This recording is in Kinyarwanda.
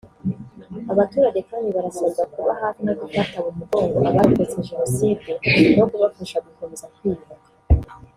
Abaturage kandi barasabwa kuba hafi no gufata mu mugongo abarokotse jenoside no kubafasha gukomeza kwiyubaka